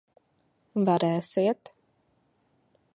Varēsiet.